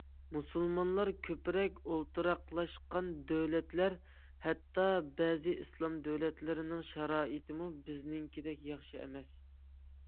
مۇسۇلمانلار كۆپرەك ئولتۇراقلاشقان دۆلەتلەر، ھەتتا بەزى ئىسلام دۆلەتلىرىنىڭ شارائىتىمۇ بىزنىڭكىدەك ياخشى ئەمەس.